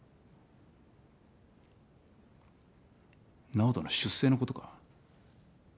直人の出生のことか。